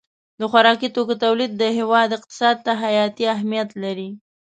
د خوراکي توکو تولید د هېواد اقتصاد ته حیاتي اهمیت لري.